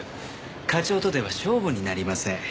課長とでは勝負になりません。